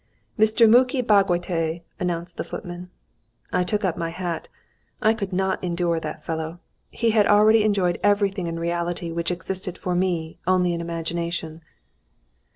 "Mr. Muki Bagotay," announced the footman. I took up my hat. I could not endure that fellow. He had already enjoyed everything in reality which existed for me only in imagination....